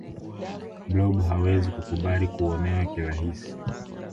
blob hawezi kukubali kuonewa kirahisi